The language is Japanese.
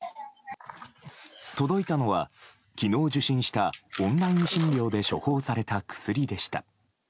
届いたのは、昨日受診したオンライン診療で処方された薬でした。